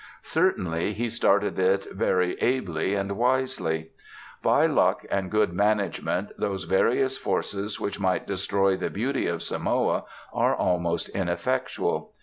Certainly he started it very ably and wisely. By luck and good management those various forces which might destroy the beauty of Samoa are almost ineffectual.